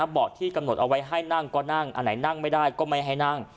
เบาะที่กำหนดเอาไว้ให้นั่งก็นั่งอันไหนนั่งไม่ได้ก็ไม่ให้นั่ง